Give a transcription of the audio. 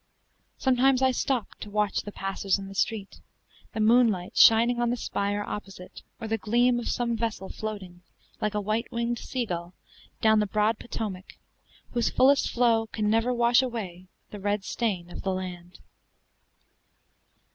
Sometimes I stopped to watch the passers in the street, the moonlight shining on the spire opposite, or the gleam of some vessel floating, like a white winged sea gull, down the broad Potomac, whose fullest flow can never wash away the red stain of the land.